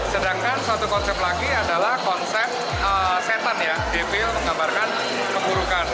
sedangkan satu konsep lagi adalah konsep setan ya defield menggambarkan keburukan